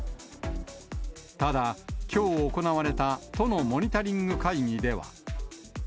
ただ、きょう行われた都のモニタリング会議では。